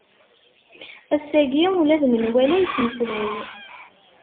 Ass-agi ula d menwala yettmeslay.